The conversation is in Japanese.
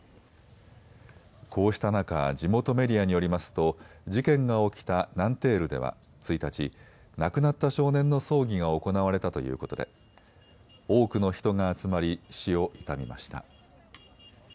こうした中、地元メディアによりますと事件が起きたナンテールでは１日、亡くなった少年の葬儀が行われたということで多くの人が集まり死を悼みました。